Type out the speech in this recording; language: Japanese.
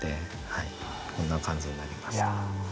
はいこんな感じになりました。